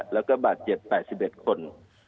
แล้วก็บาดเจ็บ๘๑คน